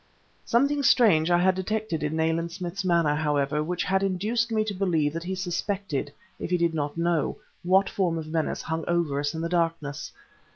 Something strange I had detected in Nayland Smith's manner, however, which had induced me to believe that he suspected, if he did not know, what form of menace hung over us in the darkness.